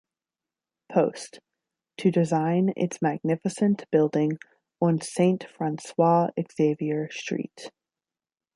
Post, to design its magnificent building on Saint Francois-Xavier Street.